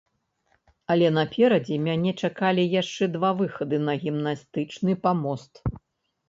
Але наперадзе мяне чакалі яшчэ два выхады на гімнастычны памост.